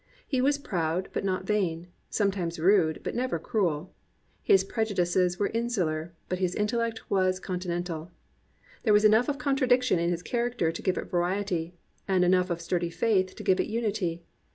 He was proud but not vain, some times rude but never cruel. His prejudices were insular, but his intellect was continental. There was enough of contradiction in his character to give it variety, and enough of sturdy faith to give it imity.